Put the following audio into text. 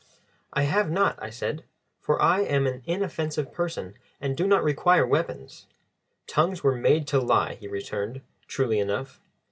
"I have not," I said, "for I am an inoffensive person and do not require weapons." "Tongues were made to lie," he returned, truly enough.